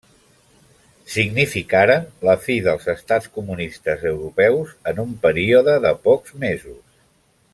Significaren la fi dels estats comunistes europeus en un període de pocs mesos.